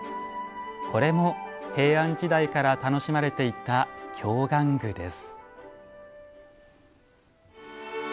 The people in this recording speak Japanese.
これも平安時代から楽しまれていた「京玩具」です。